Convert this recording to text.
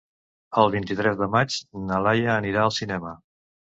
El vint-i-tres de maig na Laia anirà al cinema.